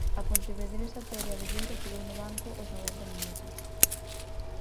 A pontevedresa Tere Abelleira quedou no banco os noventa minutos.